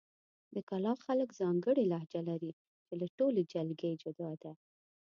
د کلاخ خلک ځانګړې لهجه لري، چې له ټولې جلګې جدا ده.